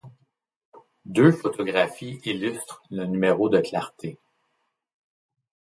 Deux photographies illustrent le numéro de Clarté.